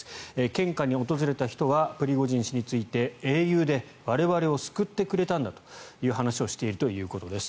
献花に訪れた人はプリゴジン氏について英雄で我々を救ってくれたんだという話をしているということです。